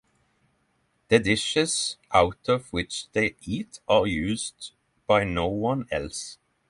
The dishes out of which they eat are used by no one else.